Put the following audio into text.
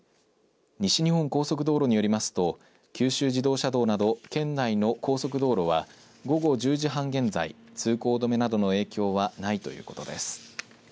西日本高速道路によりますと九州自動車道など、県内の高速道路は午後１０時半現在、通行止めなどの影響はないということです。